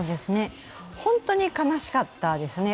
本当に悲しかったですね。